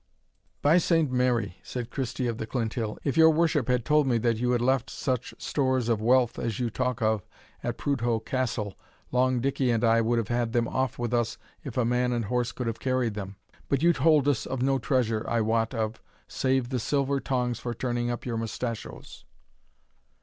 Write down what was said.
"By Saint Mary," said Christie of the Clinthill, "if your worship had told me that you had left such stores of wealth as you talk of at Prudhoe Castle, Long Dickie and I would have had them off with us if man and horse could have carried them; but you told us of no treasure I wot of, save the silver tongs for turning up your mustachoes."